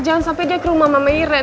jangan sampai dia ke rumah mama iren